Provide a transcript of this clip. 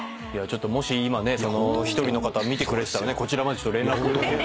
もし今ねその１人の方見てくれてたらねこちらまで連絡。